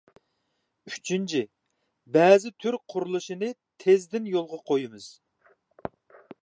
ئۈچىنچى، بەزى تۈر قۇرۇلۇشىنى تېزدىن يولغا قويىمىز.